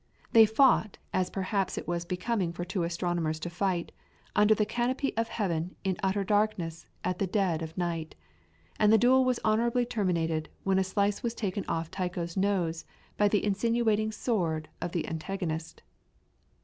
They fought, as perhaps it was becoming for two astronomers to fight, under the canopy of heaven in utter darkness at the dead of night, and the duel was honourably terminated when a slice was taken off Tycho's nose by the insinuating sword of his antagonist.